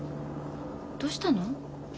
どうしたの？